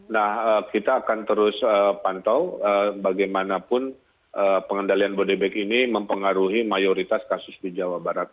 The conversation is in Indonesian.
nah kita akan terus pantau bagaimanapun pengendalian bodebek ini mempengaruhi mayoritas kasus di jawa barat